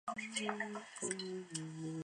游戏主要是模拟冰球比赛。